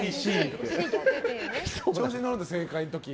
調子に乗るんだ、正解の時は。